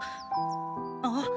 あっ！